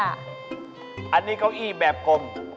อันนี้เก้าอี้แบบกลม